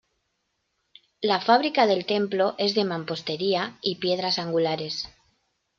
La fábrica del templo es de mampostería y piedras angulares.